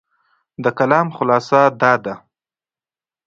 د کلام خلاصه دا ده،